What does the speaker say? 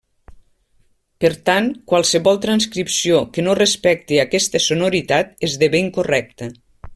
Per tant, qualsevol transcripció que no respecti aquesta sonoritat esdevé incorrecta.